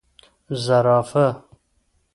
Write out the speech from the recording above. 🦒 زرافه